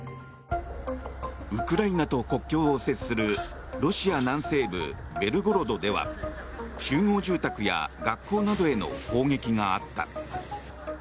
ウクライナと国境を接するロシア南西部ベルゴロドでは集合住宅や学校などへの砲撃があった。